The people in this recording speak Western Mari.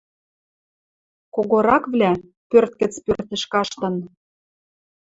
Когораквлӓ, пӧрт гӹц пӧртӹш каштын